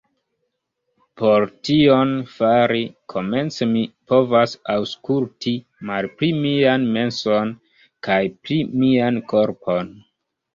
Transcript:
Por tion fari, komence mi povas aŭskulti malpli mian menson kaj pli mian korpon.